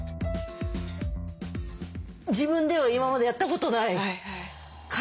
自分では今までやったことない感じ。